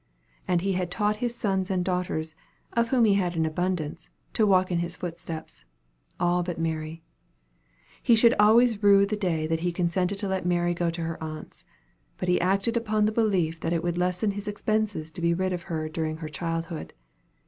And he had taught his sons and daughters, of whom he had an abundance, to walk in his footsteps all but Mary. He should always rue the day that he consented to let Mary go to her aunt's; but he acted upon the belief that it would lessen his expenses to be rid of her during her childhood.